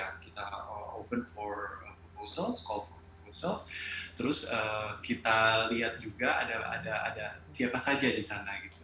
jadi kita mencari para pegiat kita mencari para pegiat terus kita lihat juga ada siapa saja di sana gitu